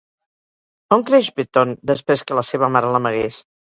On creix Beton després que la seva mare l'amagués?